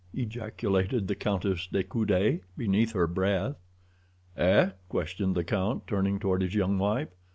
ejaculated the Countess de Coude, beneath her breath. "Eh?" questioned the count, turning toward his young wife.